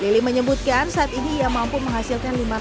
lili menyebutkan saat ini ia mampu menghasilkan